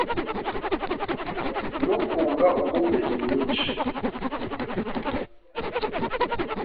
no kunga ubumwe ni nyinshi